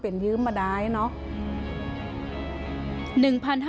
เพราะมึง